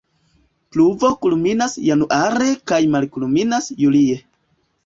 Pluvo kulminas Januare kaj malkulminas Julie.